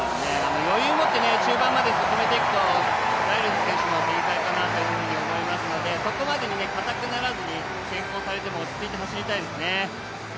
余裕を持って中盤まで進めていくとライルズ選手思いますので、そこまでかたくならずに、落ち着いて走りたいですね。